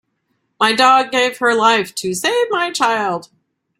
My dog gave her life to save my child.